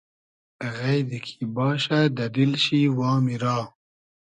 غݷدی کی باشۂ دۂ دیل شی وامی را